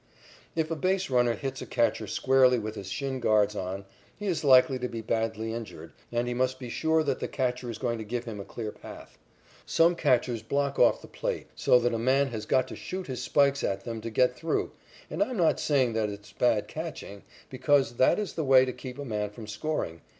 If a base runner hits a catcher squarely with his shin guards on, he is likely to be badly injured, and he must be sure that the catcher is going to give him a clear path. Some catchers block off the plate so that a man has got to shoot his spikes at them to get through, and I'm not saying that it's bad catching, because that is the way to keep a man from scoring.